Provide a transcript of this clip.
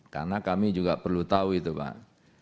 karena kami juga perlu tahu itu pak